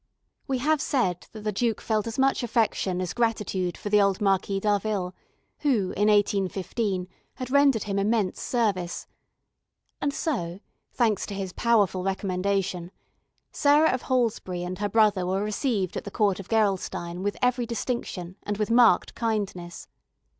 We have said that the Duke felt as much affection as gratitude for the old Marquis d'Harville, who, in 1815, had rendered him immense service; and so, thanks to his powerful recommendation, Sarah of Halsbury and her brother were received at the court of Gerolstein with every distinction, and with marked kindness.